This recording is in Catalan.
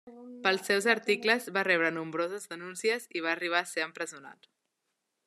Pels seus articles va rebre nombroses denúncies i va arribar a ser empresonat.